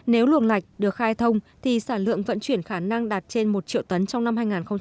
nếu luông lạch được khai thông thì sản lượng vận chuyển khả năng đạt trên một triệu tấn trong năm hai nghìn một mươi tám